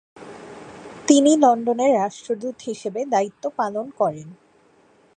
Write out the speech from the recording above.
তিনি লন্ডনে রাষ্ট্রদূত হিসেবে দায়িত্ব পালন করেন।